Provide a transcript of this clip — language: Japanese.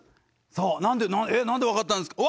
さあ何でえっ何で分かったんですか？